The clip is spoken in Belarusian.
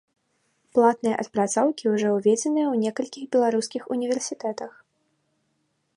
Платныя адпрацоўкі ўжо ўведзеныя ў некалькіх беларускіх універсітэтах.